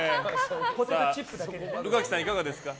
宇垣さん、いかがですか？